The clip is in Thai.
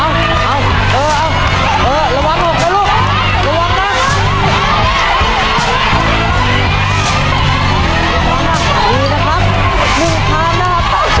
นี่ไอ้เดี๋ยวตัวมันหายอ่ะรอตัวมันหายดูดิมันนั่งรอแบบ